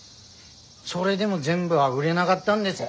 それでも全部は売れながったんです。